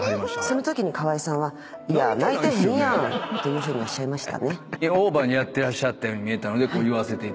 そのときに河井さんは「泣いてへんやん」というふうにおっしゃいましたね。